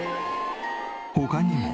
他にも。